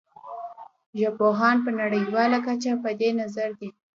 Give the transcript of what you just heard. ژبپوهان په نړیواله کچه په دې نظر دي